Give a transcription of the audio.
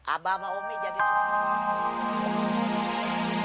aba sama umi jadi